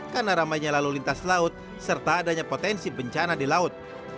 karena ramainya lalu lintas laut serta adanya potensi bencana di laut